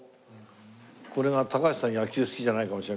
これが高橋さん野球好きじゃないかもしれないけど。